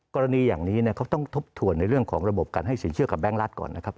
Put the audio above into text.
กรณีอย่างนี้เขาต้องทบทวนในเรื่องของระบบการให้สินเชื่อกับแก๊งรัฐก่อนนะครับ